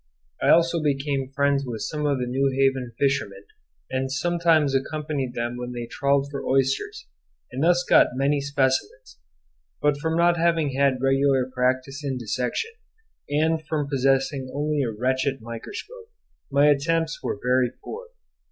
I also became friends with some of the Newhaven fishermen, and sometimes accompanied them when they trawled for oysters, and thus got many specimens. But from not having had any regular practice in dissection, and from possessing only a wretched microscope, my attempts were very poor.